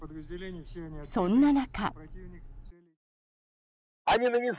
そんな中。